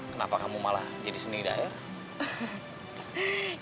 kenapa kamu malah jadi seni daerah